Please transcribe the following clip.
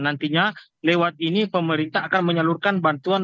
nantinya lewat ini pemerintah akan menyalurkan bantuan